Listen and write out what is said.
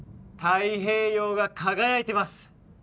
太平洋が輝いてます